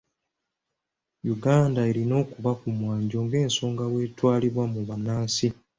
Uganda erina kuba ku mwanjo nga ensonga bw'etwalibwa mu bannansi.